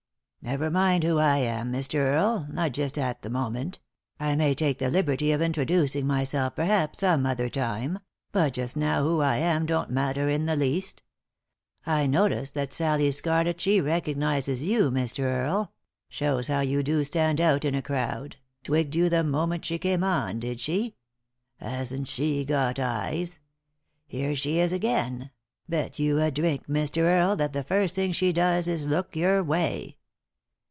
"Never mind who I am, Mr. Earle, not just at the moment ; I may take the liberty of introducing myself perhaps some other time ; but just now who I am don't matter in the least. I notice that Sallie Scarlett she recognises you, Mr. Earle ; shows how you do stand out in a crowd ; twigged you the moment she came on, she did. Hasn't she got eyes ? Here she is again ; bet you a drink, Mr, Earle, that the first thing she does is look your way."